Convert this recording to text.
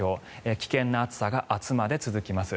危険な暑さが明日まで続きます。